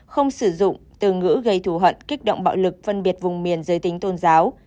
không sử dụng từ ngữ gây thù hận kích động bạo lực phân biệt vùng miền giới tính tôn giáo